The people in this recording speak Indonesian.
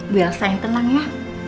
bu elsa yang tenang ya